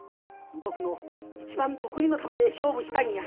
僕の一番得意の球で勝負したいんや。